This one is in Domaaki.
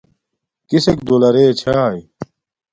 کسک دولرے چھاݵ